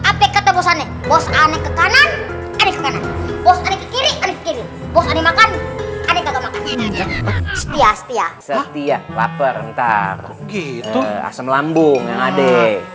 apk bos aneh bos aneh ke kanan aneh ke kanan bos aneh ke kiri aneh ke kiri bos aneh makan aneh kagak makan